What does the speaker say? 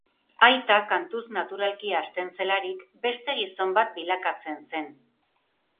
Aita kantuz naturalki hasten zelarik, beste gizon bat bilakatzen zen.